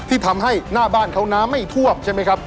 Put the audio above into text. ที่ทำให้หน้าบ้านเขาน้ำไม่ท่วมใช่ไหมครับ